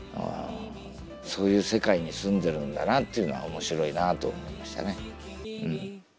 そういう世界に住んでるんだなっていうのは面白いなと思いましたね。